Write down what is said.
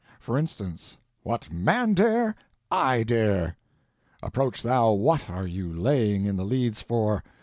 For instance: What man dare, I dare! Approach thou what are you laying in the leads for?